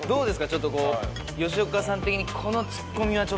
ちょっと吉岡さん的に。